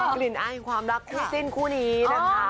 กลิ่นอายแห่งความรักพี่จิ้นคู่นี้นะคะ